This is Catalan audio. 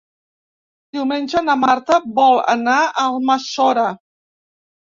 Diumenge na Marta vol anar a Almassora.